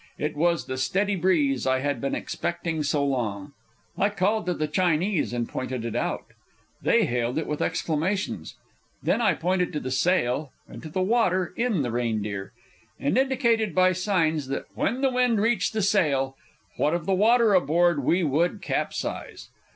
It was the steady breeze I had been expecting so long. I called to the Chinese and pointed it out. They hailed it with exclamations. Then I pointed to the sail and to the water in the Reindeer, and indicated by signs that when the wind reached the sail, what of the water aboard we would capsize.